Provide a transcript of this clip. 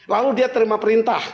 lalu dia terima perintah